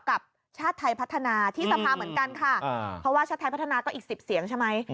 กับชาติไทยพัฒนาที่สภาเหมือนกันค่ะเพราะว่าชาติไทยพัฒนาก็อีก๑๐เสียงใช่ไหม